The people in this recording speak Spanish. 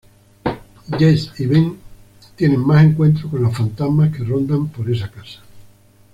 Jess y Ben tienen más encuentros con los fantasmas que rondan por esa casa.